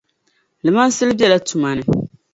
Iimaansili bɛla tumani.